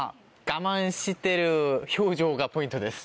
我慢してる表情がポイントです。